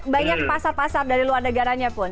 banyak pasar pasar dari luar negaranya pun